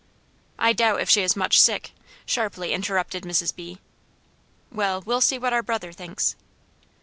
"I doubt if she is much sick," sharply interrupted Mrs. B. "Well, we'll see what our brother thinks."